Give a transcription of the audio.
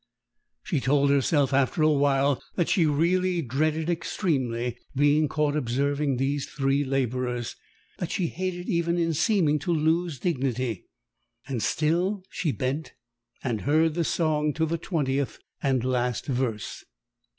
She told herself after a while that she really dreaded extremely being caught observing these three labourers; that she hated even in seeming to lose dignity. And still she bent and heard the song to the twentieth and last verse.